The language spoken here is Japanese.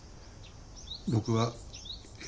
僕は。